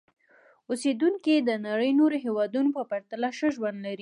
اوسېدونکي یې د نړۍ نورو هېوادونو په پرتله ښه ژوند لري.